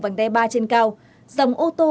vành đe ba trên cao dòng ô tô